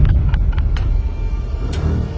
ที่สุดท้าย